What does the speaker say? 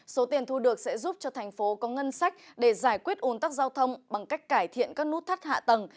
số tiền thu được sẽ giúp cho tp hcm có ngân sách để giải quyết ủn tắc giao thông bằng cách cải thiện các nút thắt hạ tầng